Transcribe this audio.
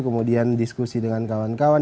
kemudian diskusi dengan kawan kawan